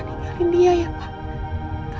ninggalin dia ya pak